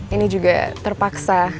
ini juga terpaksa